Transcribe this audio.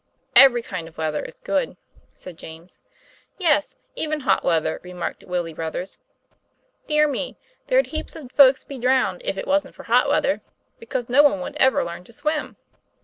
" Every kind of weather is good," said James. "Yes, even hot weather," remarked Willie Ruth ers. " Dear me, there'd heaps of folks be drowned if it wasn't for hot weather, because no one would ever learn to swim."